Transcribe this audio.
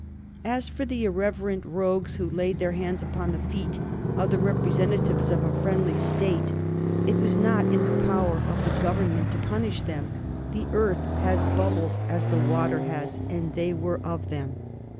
As for the irreverent rogues who had laid their hands upon the feet of the representative of a friendly State, it was not in the power of the Government to punish them. The earth has bubbles as the water has, and they were of them.